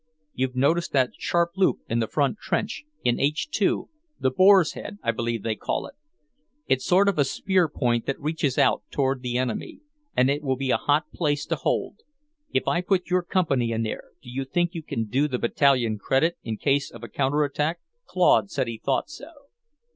You've noticed that sharp loop in the front trench, in H 2; the Boar's Head, I believe they call it. It's a sort of spear point that reaches out toward the enemy, and it will be a hot place to hold. If I put your company in there, do you think you can do the Battalion credit in case of a counter attack?" Claude said he thought so.